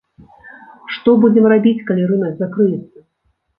Што будзем рабіць, калі рынак закрыецца?